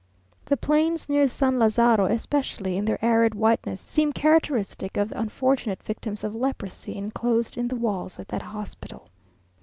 The plains near San Lazaro especially, in their arid whiteness, seem characteristic of the unfortunate victims of leprosy enclosed in the walls of that hospital.